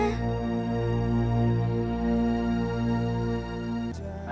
ayo duduk kita makan